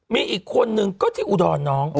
มีอีกคนนึงก็ที่อุดรน้อง